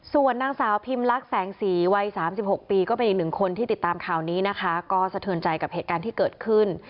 ส่วนนางสาวพิมลักษณ์แสงสีวัย๓๖ปีก็เป็นอีกหนึ่งคนที่ติดตามข่าวนี้นะคะก็สะเทินใจกับเหตุการณ์ที่เกิดขึ้น